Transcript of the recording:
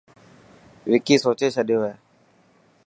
وڪي سوچي ڇڏيو هي.